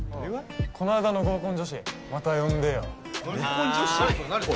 この間の合コン女子また呼んでよ合コン女子？